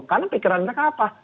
karena pikirannya apa